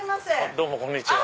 どうもこんにちは。